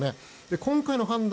今回の判断